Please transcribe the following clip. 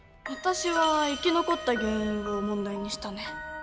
私は生き残った原因を問題にしたね。